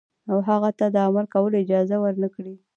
او هغه ته د عمل کولو اجازه ورنکړو.